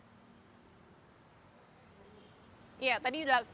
pemeriksaan marwah daud untuk hari ini apa materi pemeriksaannya gita